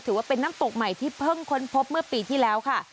ถือว่าเป็นน้ำตกใหม่ที่เพิ่งค้นพบเมื่อปีที่แล้วค่ะ